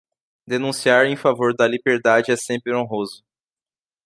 Denunciar em favor da liberdade é sempre honroso.